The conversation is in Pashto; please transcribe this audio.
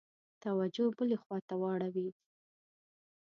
توجه بلي خواته واړوي.